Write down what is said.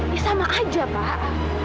ya sama aja pak